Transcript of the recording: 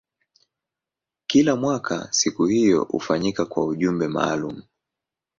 Kila mwaka siku hiyo hufanyika kwa ujumbe maalumu.